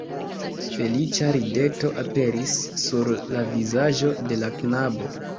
Feliĉa rideto aperis sur la vizaĝo de la knabo